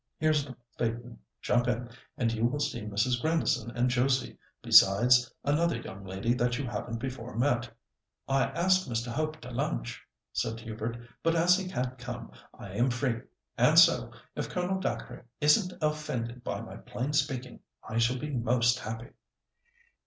Here's the phaeton, jump in and you will see Mrs. Grandison and Josie, besides another young lady that you haven't before met." "I asked Mr. Hope to lunch," said Hubert; "but as he can't come I am free. And so, if Colonel Dacre isn't offended by my plain speaking, I shall be most happy."